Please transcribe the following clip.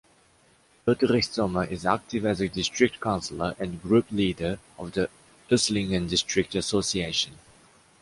Erdrich-Sommer is active as a district councilor and group leader of the Esslingen district association.